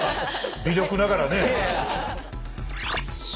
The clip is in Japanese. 微力ながらね。